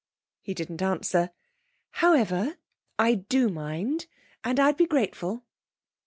He didn't answer. 'However, I do mind, and I'll be grateful.'